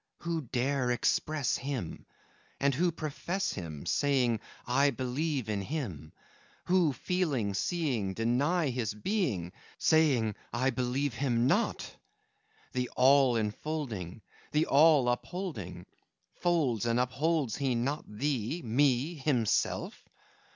Who dare express Him? And who profess Him, Saying: I believe in Him! Who, feeling, seeing, Deny His being, Saying: I believe Him not! The All enfolding, The All upholding, Folds and upholds he not Thee, me, Himself?